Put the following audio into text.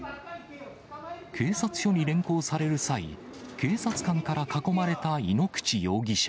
警察署に連行される際、警察官から囲まれた井ノ口容疑者。